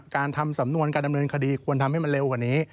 การทำสำนวนการดำเนินคดีควรทำให้มันเร็วกว่านี้